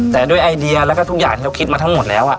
แต่ด้วยไอเดียแล้วก็ทุกอย่างที่เราคิดมาทั้งหมดแล้ว